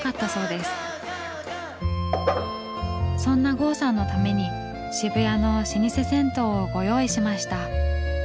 そんな郷さんのために渋谷の老舗銭湯をご用意しました。